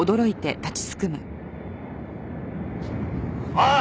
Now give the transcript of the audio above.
おい！